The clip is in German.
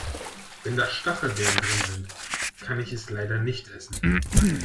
Wenn da Stachelbeeren drin sind, kann ich es leider nicht essen.